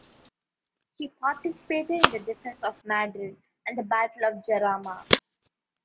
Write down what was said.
He participated in the defense of Madrid and the battle of Jarama.